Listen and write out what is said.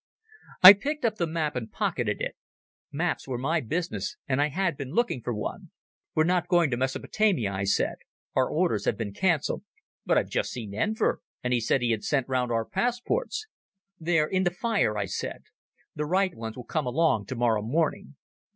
I picked up the map and pocketed it. Maps were my business, and I had been looking for one. "We're not going to Mesopotamia," I said. "Our orders have been cancelled." "But I've just seen Enver, and he said he had sent round our passports." "They're in the fire," I said. "The right ones will come along tomorrow morning."